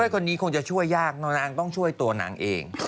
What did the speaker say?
ต่างสุดช่วยยากแนนางต้องช่วยตัวนางเอง